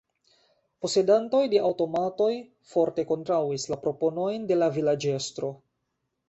Posedantoj de aŭtomatoj forte kontraŭis la proponojn de la vilaĝestro.